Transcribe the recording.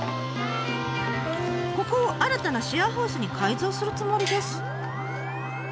ここを新たなシェアハウスに改造するつもりです。